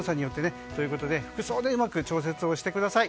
なので服装でうまく調節をしてください。